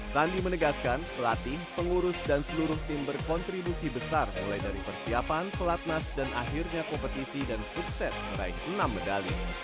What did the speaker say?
sandi menegaskan pelatih pengurus dan seluruh tim berkontribusi besar mulai dari persiapan pelatnas dan akhirnya kompetisi dan sukses meraih enam medali